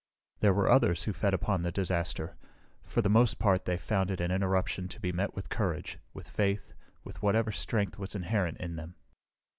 There were others who fed upon the disaster. For the most part they found it an interruption to be met with courage, with faith, with whatever strength was inherent in them.